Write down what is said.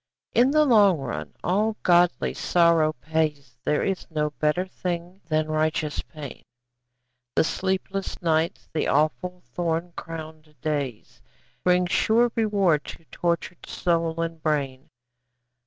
In the long run all godly sorrow pays, There is no better thing than righteous pain, The sleepless nights, the awful thorn crowned days, Bring sure reward to tortured soul and brain.